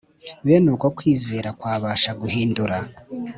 Bene uko kwizera kwabasha guhindura